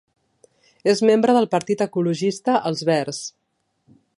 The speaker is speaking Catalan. És membre del partit ecologista Els Verds.